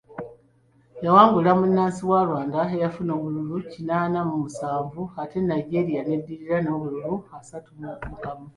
Yawangula munnansi wa Rwanda eyafuna obululu kinaana mu musanvu ate Nigeria n'eddirira n'obululu asatu mu kamu.